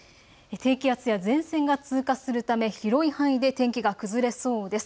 低気圧や前線が通過するため広い範囲で天気が崩れそうです。